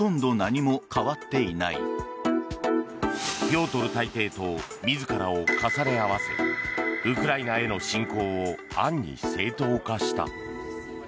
ピョートル大帝と自らを重ね合わせウクライナへの侵攻を暗に正当化した。